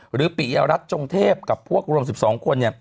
หรือปริญญารัฐจงเทพกับพวกรวม๑๒คน